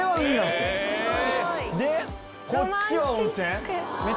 でこっちは温泉。